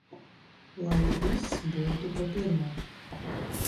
Lai viss būtu pa pirmo!